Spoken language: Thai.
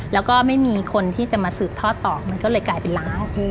แล้วก็ไม่มีคนที่จะมาสืบทอดต่อมันก็เลยกลายเป็นร้าน